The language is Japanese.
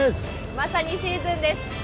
まさにシーズンです。